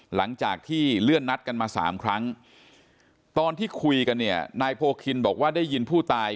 หลังจากที่เลื่อนนัดกันมาสามครั้งตอนที่คุยกันเนี่ยนายโพคินบอกว่าได้ยินผู้ตาย